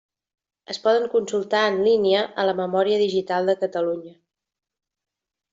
Es poden consultar en línia a la Memòria Digital de Catalunya.